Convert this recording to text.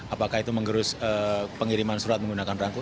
apakah itu menggerus pengiriman surat menggunakan rangkut